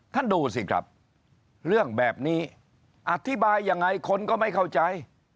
ท่านดูสิครับเรื่องแบบนี้อธิบายยังไงคนก็ไม่เข้าใจ